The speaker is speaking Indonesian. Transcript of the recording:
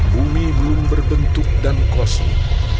bumi belum berbentuk dan kosong